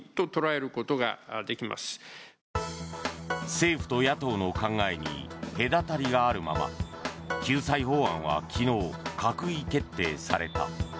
政府と野党の考えに隔たりがあるまま救済法案は昨日、閣議決定された。